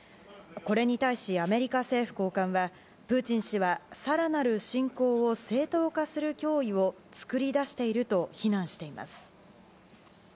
これに対し、アメリカ政府高官はプーチン氏は更なる侵攻を正当化する脅威を作り出していると非難しています。